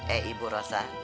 eh ibu rosa